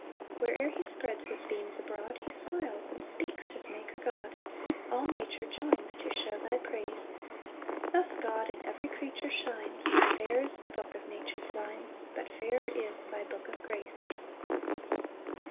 4 Where'er he spreads his beams abroad, He smiles and speaks his maker God; All nature joins to shew thy praise: Thus God, in every creature shines; Fair is the book of nature's lines, But fairer is thy book of grace. PAUSE.